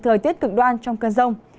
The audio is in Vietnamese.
thời tiết cực đoan trong cơn rông